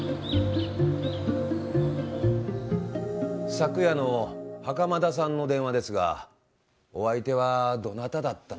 昨夜の袴田さんの電話ですがお相手はどなただったのか？